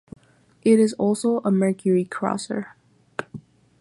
It is also a Mercury-crosser.